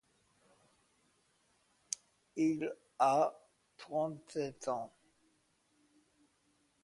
Il a trente-sept ans.